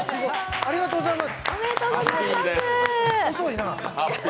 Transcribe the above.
ありがとうございます。